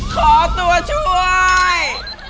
ขอตัวช่วย